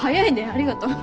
ありがとう。